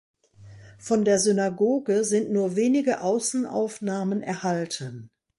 Von der Synagoge sind nur wenige Außenaufnahmen erhalten.